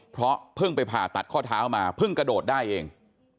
เพราะเพิ่งไปผ่าตัดข้อเท้ามาเพิ่งกระโดดได้เอง